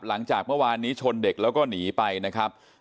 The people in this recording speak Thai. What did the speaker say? หลังจากเมื่อวานนี้ชนเด็กแล้วก็หนีไปนะครับ